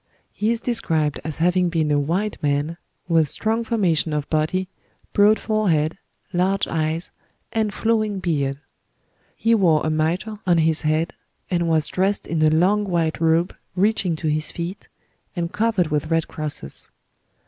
He is described as having been a white man, with strong formation of body, broad forehead, large eyes, and flowing beard. He wore a mitre on his head, and was dressed in a long white robe reaching to his feet, and covered with red crosses.